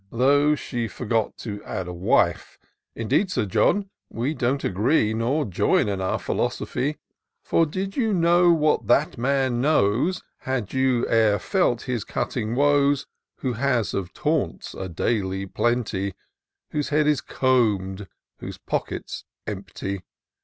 Though she forgot to add a wife. Indeed, Sir John, we don't agree. Nor join in our philosophy ; For did you know what that man knows. Had you e'er felt his cutting woes, Who has of taunts a daily plenty. Whose head is comb'd, whose pocket's empty.